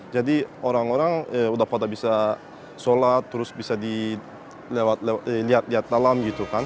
jadi orang orang sudah pada bisa sholat terus bisa dilihat dalam